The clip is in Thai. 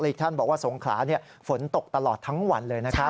อีกท่านบอกว่าสงขลาฝนตกตลอดทั้งวันเลยนะครับ